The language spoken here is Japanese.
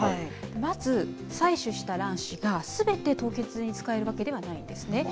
まず採取した卵子がすべて凍結に使えるわけではないんですね。